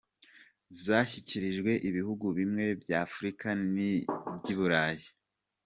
Zashyikirijwe ibihugu bimwe bya Afurika n’iby’i Burayi.”